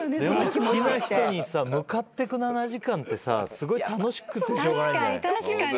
好きな人に向かってく７時間ってさすごい楽しくてしょうがないんじゃない？確かに。